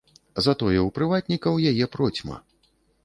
Затое ў прыватнікаў яе процьма.